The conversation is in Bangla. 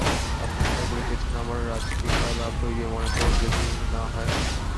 আপনি কিনা বলিতেছেন আমার রাজটিকা লাভ হইবে, মনে করুন যদিই না হয়।